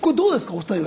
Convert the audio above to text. お二人は。